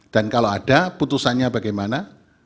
dan kalau ada putusannya bagaimana